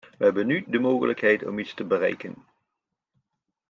Wij hebben nu de mogelijkheid om iets te bereiken.